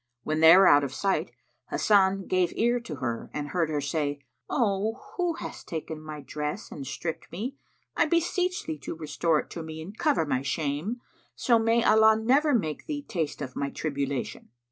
When they were out of sight, Hasan gave ear to her and heard her say, "O who hast taken my dress and stripped me, I beseech thee to restore it to me and cover my shame, so may Allah never make thee taste of my tribulation!"